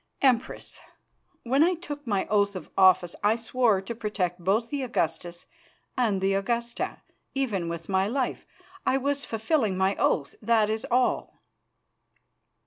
"Empress, when I took my oath of office I swore to protect both the Augustus and the Augusta, even with my life. I was fulfilling my oath, that is all."